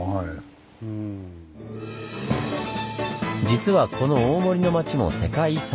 実はこの大森の町も世界遺産。